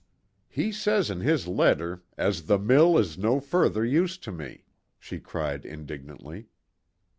"He says in his letter, 'as the mill is no further use to me,'" she cried indignantly.